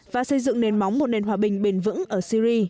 và xây dựng nền móng một nền hòa bình bền vững ở syri